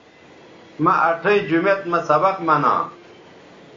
مہ اٹھئیں جومیت مہ سبق منا